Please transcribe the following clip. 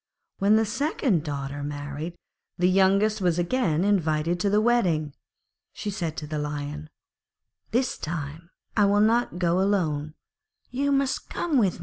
When the second daughter married, and the youngest was again invited to the wedding, she said to the Lion, 'This time I will not go alone, you must come too.'